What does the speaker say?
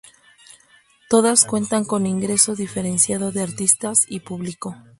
Todas cuentan con ingreso diferenciado de artistas y público.